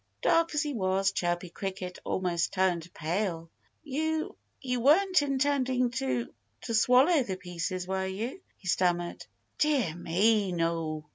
Dark as he was, Chirpy Cricket almost turned pale. "You you weren't intending to to swallow the pieces, were you?" he stammered. "Dear me! No!"